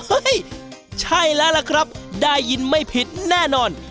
เฮ้ยใช่แล้วล่ะครับได้ยินไม่ผิดแน่นอน